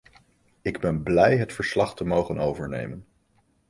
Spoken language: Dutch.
Ik ben blij het verslag te mogen overnemen.